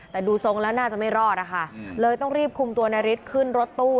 แต่ดูทรงแล้วน่าจะไม่รอดนะคะเลยต้องรีบคุมตัวนาริสขึ้นรถตู้